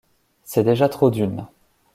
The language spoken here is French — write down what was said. C’est déjà trop d’une.